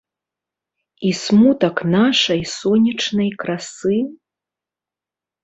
І смутак нашай сонечнай красы?